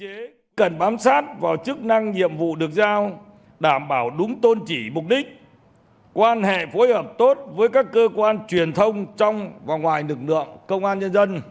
vì vậy cần bám sát vào chức năng nhiệm vụ được giao đảm bảo đúng tôn trị mục đích quan hệ phối hợp tốt với các cơ quan truyền thông trong và ngoài lực lượng công an nhân dân